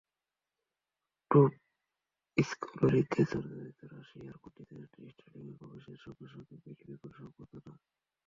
Dope কেলেঙ্কারিতে জর্জরিত রাশিয়ার কন্টিনজেন্ট স্টেডিয়ামে প্রবেশের সঙ্গে সঙ্গে পেল বিপুল সংবর্ধনা।